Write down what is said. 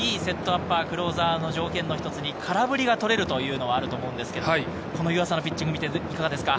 アッパー、クローザーの条件の一つに空振りが取れるというのがあると思うんですけれど、この湯浅のピッチングを見ていかがですか？